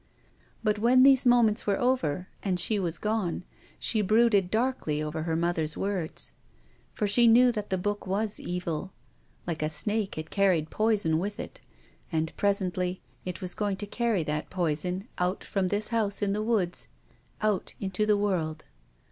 But, when these moments were over, and she was gone, she brooded darkly over her mother's words. For she knew that the book was evil. Like a snake it carried poison with it, and, presently, it was going to carry that poison out from this house in the woods, out into the world.